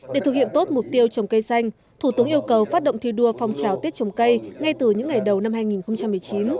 để thực hiện tốt mục tiêu trồng cây xanh thủ tướng yêu cầu phát động thi đua phong trào tết trồng cây ngay từ những ngày đầu năm hai nghìn một mươi chín